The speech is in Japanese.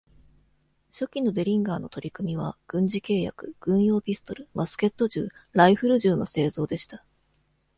初期のデリンガーの取り組みは、軍事契約、軍用ピストル、マスケット銃、ライフル銃の製造でした。